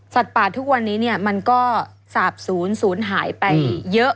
สัตว์ป่าทุกวันนี้มันก็สาบศูนย์หายไปเยอะ